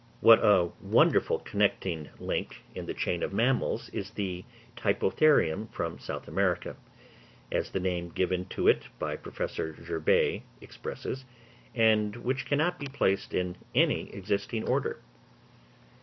What a wonderful connecting link in the chain of mammals is the Typotherium from South America, as the name given to it by Professor Gervais expresses, and which cannot be placed in any existing order.